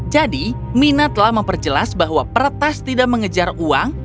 jadi mina telah memperjelas bahwa peretas tidak mengejar uang